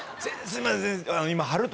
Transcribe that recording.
すいません今。